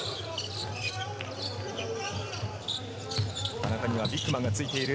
田中にはビッグマンがついている。